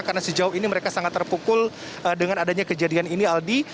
karena sejauh ini mereka sangat terpukul dengan adanya kejadian ini aldi